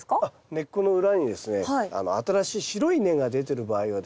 根っこの裏にですね新しい白い根が出てる場合はですね